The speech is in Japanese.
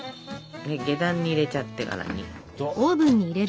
下段に入れちゃって。